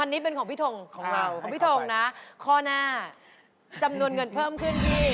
๒๐๐๐นี่เป็นของพี่ทงของพี่ทงนะข้อหน้าจำนวนเงินเพิ่มขึ้นที่